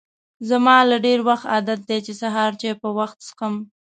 زما له ډېر وخته عادت دی چې سهار چای په وخته څښم.